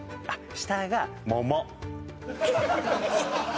下が桃！